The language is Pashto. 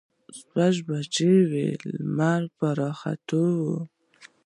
شپږ بجې وې، لمر په راختو و.